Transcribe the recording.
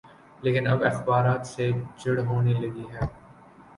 لیکن اب اخبارات سے چڑ ہونے لگی ہے۔